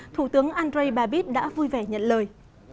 thủ tướng andrej babis đã vui vẻ nhận lời